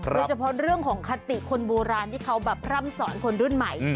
โดยเฉพาะเรื่องของคติคนโบราณที่เขาแบบพร่ำสอนคนรุ่นใหม่